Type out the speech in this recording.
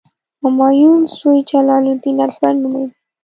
همایون زوی جلال الدین اکبر نومېده.